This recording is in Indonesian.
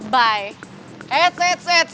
suara suara desa jistas